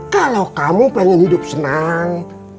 kalau kamu pengen hidup senang